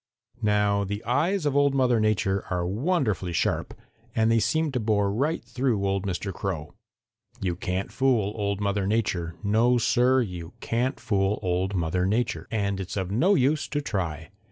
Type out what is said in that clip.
"Now the eyes of Old Mother Nature are wonderfully sharp and they seemed to bore right through old Mr. Crow. You can't fool Old Mother Nature. No, Sir, you can't fool Old Mother Nature, and it's of no use to try.